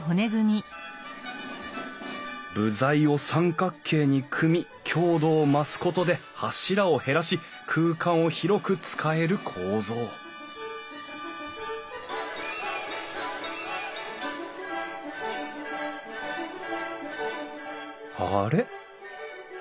部材を三角形に組み強度を増すことで柱を減らし空間を広く使える構造あれ？